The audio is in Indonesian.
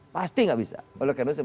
pasti enggak bisa kalau kayak itu saya